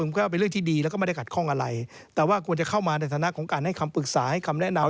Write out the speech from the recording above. มันก็เป็นเรื่องที่ดีแล้วก็ไม่ได้ขัดข้องอะไรแต่ว่าควรจะเข้ามาในฐานะของการให้คำปรึกษาให้คำแนะนำ